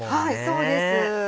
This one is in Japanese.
そうです。